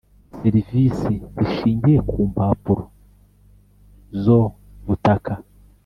serivisi zishingiye ku mpapuro zo butaka